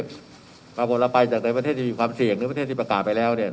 ปรากฏเราไปจากในประเทศที่มีความเสี่ยงในประเทศที่ประกาศไปแล้วเนี่ย